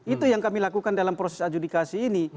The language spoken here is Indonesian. itu yang kami lakukan dalam proses adjudikasi ini